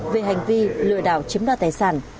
về hành vi lừa đảo chiếm đoạt tài sản